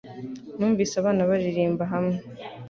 Numvise abana baririmbira hamwe